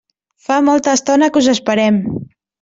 Fa molta estona que us esperem.